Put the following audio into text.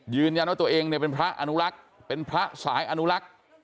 ยืนยันว่าตัวเองเนี่ยเป็นพระอนุรักษ์เป็นพระสายอนุรักษ์